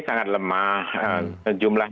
sangat lemah jumlah